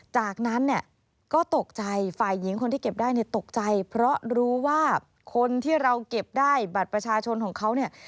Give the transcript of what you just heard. จากนั้นเนี่ยก็ตกใจฝ่ายหญิงคนที่เก็บได้เนี่ยตกใจเพราะรู้ว่าคนที่เราเก็บได้บัตรประชาชนของเขาเนี่ย